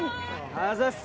あざっす